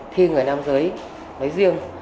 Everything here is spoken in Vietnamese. khi người nam giới lấy riêng